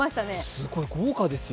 すごい豪華ですよ。